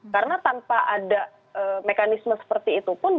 karena tanpa ada mekanisme seperti itu pun